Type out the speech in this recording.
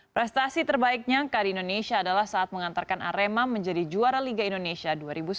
prestasi terbaik nyangka di indonesia adalah saat mengantarkan arema menjadi juara liga indonesia dua ribu sembilan belas